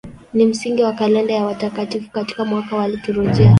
Ni msingi wa kalenda ya watakatifu katika mwaka wa liturujia.